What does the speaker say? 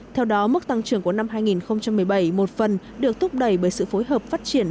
theo đó mức tăng trưởng của năm hai nghìn một mươi bảy một phần được thúc đẩy bởi sự phối hợp phát triển